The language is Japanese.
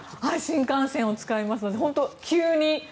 新幹線を使いますので急に。